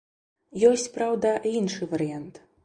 Ёсць, праўда, і іншы варыянт.